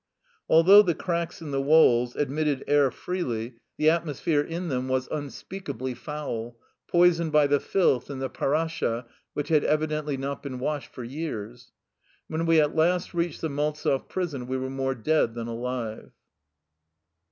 Although the cracks in the walls admitted air freely the at 187 THE LIFE STOEY OF A EUSSIAN EXILE mosphere in them was unspeakably foul, poi soned by the filth and the pardsha which had evidently not been washed for years. When we at last reached the Maltzev prison we were more dead than alive.